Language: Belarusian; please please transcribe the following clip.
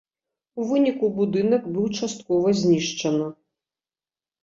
У выніку будынак быў часткова знішчана.